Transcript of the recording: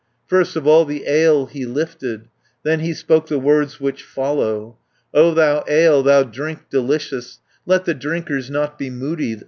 260 First of all the ale he lifted, Then he spoke the words which follow: "O thou ale, thou drink delicious, Let the drinkers not be moody!